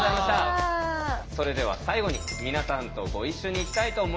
それでは最後に皆さんとご一緒にいきたいと思います。